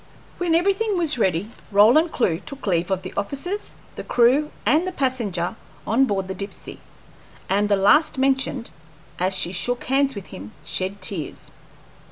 When everything was ready, Roland Clewe took leave of the officers, the crew, and the passenger on board the Dipsey, and the last mentioned, as she shook hands with him, shed tears.